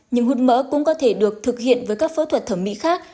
nhưng hút mỡ cũng có thể được thực hiện với các phẫu thuật thẩm mỹ khác